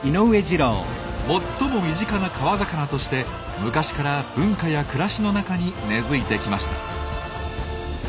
最も身近な川魚として昔から文化や暮らしの中に根づいてきました。